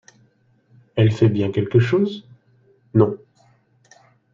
Elle fait bien quelque chose ? Non.